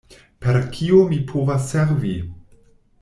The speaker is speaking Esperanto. Per kio mi povas servi?